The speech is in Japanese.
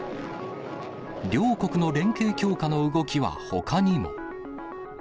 両国の連携強化の動きはほかにも。